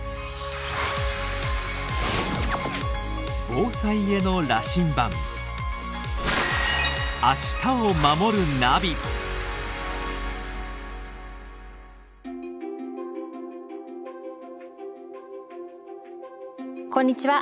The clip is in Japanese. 防災への羅針盤こんにちは。